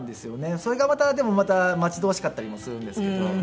それがまたでも待ち遠しかったりもするんですけど。